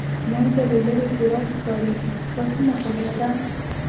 مالګه له لرې بوره ښکاري دا سمه خبره ده.